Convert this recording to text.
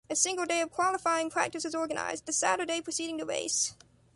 A single day of qualifying practice is organized, the Saturday preceding the race.